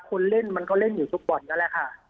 คนเล่นมันก็เล่นอยู่ทุกบ่อนนั่นแหละค่ะ